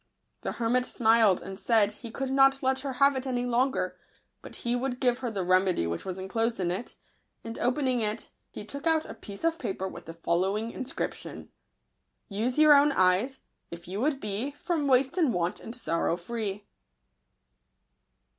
The hermit smiled, and said he could not let her have it any longer, but he would give her the remedy which was enclosed in it ; and, opening it, he took out a piece of paper with the following inscription : Use your own eyes, if you would be From waste and want and sorrow free.